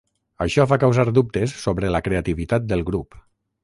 Això va causar dubtes sobre la creativitat del grup.